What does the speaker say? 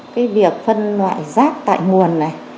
cái việc phân loại rác tại nguồn này